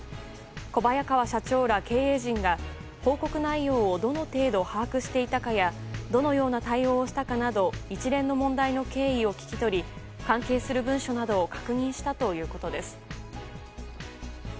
小早川社長ら経営陣が報告内容をどの程度把握していたかやどのような対応をしたかなど一連の問題の経緯を聞き取り関係する文書などを確認したということです。